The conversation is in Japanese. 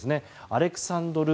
アレクサンドル